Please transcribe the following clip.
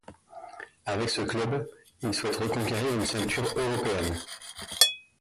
Avec ce club, il souhaite reconquérir une ceinture européenne.